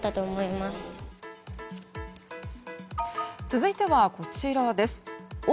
続いては、こちらです。